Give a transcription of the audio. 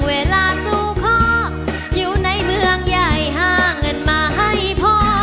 เวลาสู้พ่ออยู่ในเมืองใหญ่หาเงินมาให้พ่อ